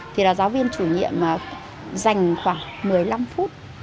thì là giáo viên chủ nhiệm dành khoảng một mươi năm phút